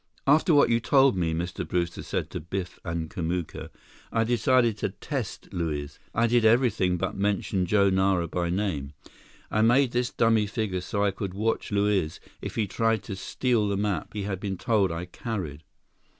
"After what you told me," Mr. Brewster said to Biff and Kamuka, "I decided to test Luiz. I did everything but mention Joe Nara by name. I made this dummy figure so I could watch Luiz if he tried to steal the map he had been told I carried.